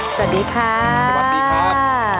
สวัสดีครับ